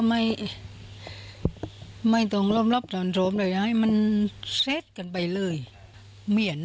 มันเช็ดกันไปเลย